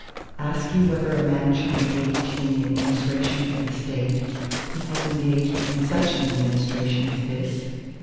Ask you whether a man shall engage in the administration of the State who has engaged in such an Administration as this?